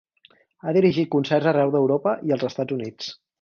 Ha dirigit concerts arreu d'Europa i als Estats Units.